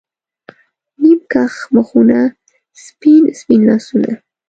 نیم کښ مخونه، سپین، سپین لاسونه